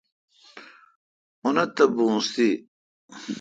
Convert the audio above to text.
اونتھ تہ بوس تی۔